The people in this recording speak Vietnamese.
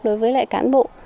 đối với lại cán bộ